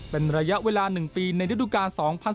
เป็นระยะเวลา๑ปีในฤดูกาล๒๐๑๙